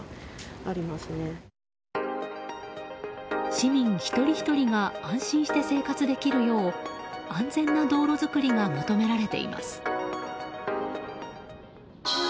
市民一人ひとりが安心して生活できるよう安全な道路作りが求められています。